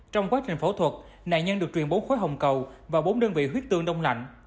trong quá trình phẫu thuật nạn nhân được truyền bốn khối hồng cầu và bốn đơn vị huyết tương đông lạnh